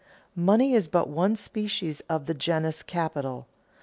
Money is but one species of the genus capital.